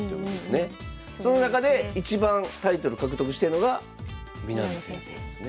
その中で一番タイトル獲得してるのが南先生ですね。